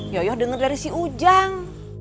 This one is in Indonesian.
yoyoh denger dari si ujang